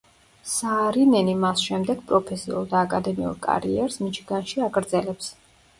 საარინენი მას შემდეგ პროფესიულ და აკადემიურ კარიერს მიჩიგანში აგრძელებს.